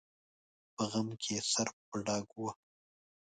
په غم کې یې سر په ډاګ وواهه.